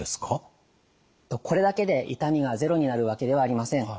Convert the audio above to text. これだけで痛みがゼロになるわけではありません。